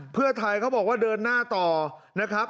เพื่อไทยเขาบอกว่าเดินหน้าต่อนะครับ